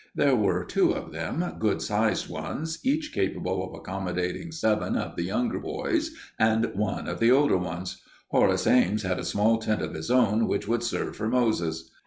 There were two of them, good sized ones, each capable of accommodating seven of the younger boys and one of the older ones. Horace Ames had a small tent of his own which would serve for Moses.